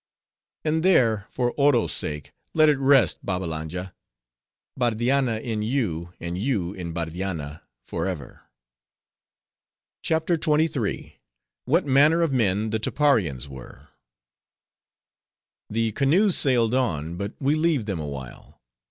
"And there, for Oro's sake, let it rest, Babbalanja; Bardianna in you, and you in Bardianna forever!" CHAPTER XXIII. What Manner Of Men The Tapparians Were The canoes sailed on. But we leave them awhile.